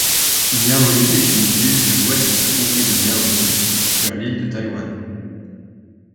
Miaoli est une ville de l'ouest du comté de Miaoli, sur l'île de Taïwan.